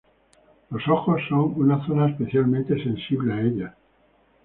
Los ojos son una zona especialmente sensible a ellas.